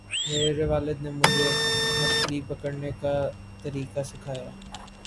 میرے والد نے مجھے مچھلی پکڑنے کا طریقہ سکھایا۔